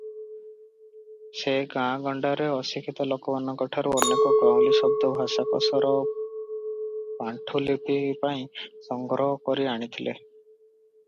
ସେ ଗାଆଁଗଣ୍ଡାର ଅଶିକ୍ଷିତ ଲୋକମାନଙ୍କଠାରୁ ଅନେକ ଗାଉଁଲି ଶବ୍ଦ ଭାଷାକୋଷର ପାଣ୍ଠୁଲିପି ପାଇଁ ସଂଗ୍ରହ କରିଆଣିଥିଲେ ।